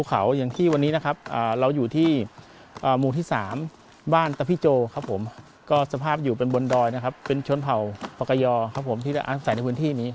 การดูแลผู้สูงอายุ